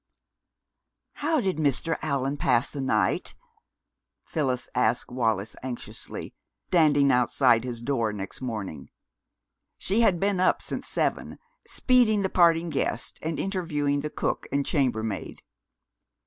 "How did Mr. Allan pass the night?" Phyllis asked Wallis anxiously, standing outside his door next morning. She had been up since seven, speeding the parting guests and interviewing the cook and chambermaid.